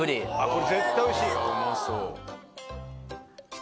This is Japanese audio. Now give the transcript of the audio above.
これ絶対おいしい。